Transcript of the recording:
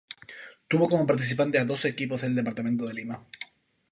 Tuvo como participantes a doce equipos del departamento de Lima.